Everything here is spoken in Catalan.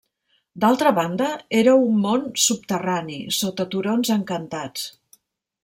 D'altra banda, era un món subterrani, sota turons encantats.